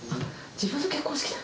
自分の結婚式だ！